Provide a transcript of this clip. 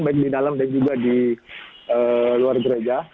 baik di dalam dan juga di luar gereja